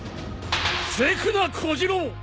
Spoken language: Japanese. せくな小次郎。